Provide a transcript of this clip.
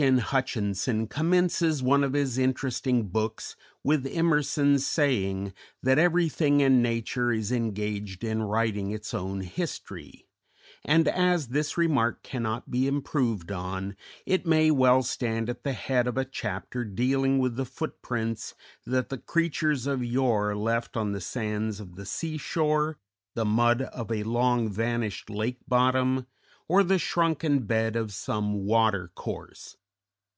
N. Hutchinson commences one of his interesting books with Emerson's saying, "that Everything in nature is engaged in writing its own history;" and, as this remark cannot be improved on, it may well stand at the head of a chapter dealing with the footprints that the creatures of yore left on the sands of the sea shore, the mud of a long vanished lake bottom, or the shrunken bed of some water course.